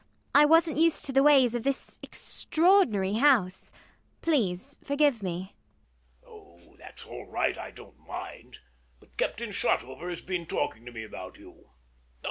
I wasn't used to the ways of this extraordinary house. Please forgive me. MANGAN. Oh, that's all right: I don't mind. But Captain Shotover has been talking to me about you.